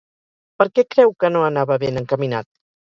Per què creu que no anava ben encaminat?